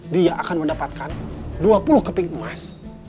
dia akan mendapatkan dua puluh keping emas